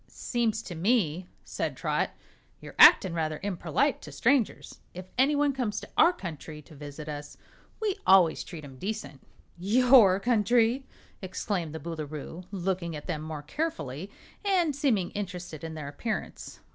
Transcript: "Seems to me," said Trot, "you're actin' rather imperlite to strangers. If anyone comes to our country to visit us, we always treat 'em decent." "Your country!" exclaimed the Boolooroo, looking at them more carefully and seeming interested in their appearance.